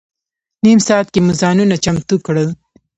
نیم ساعت کې مو ځانونه چمتو کړل.